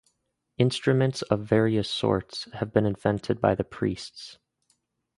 Instruments of various sorts have been invented by the priests.